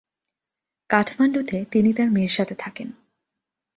কাঠমান্ডুতে তিনি তার মেয়ের সাথে থাকেন।